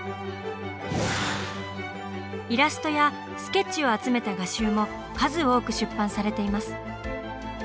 イラストやスケッチを集めた画集も数多く出版されています。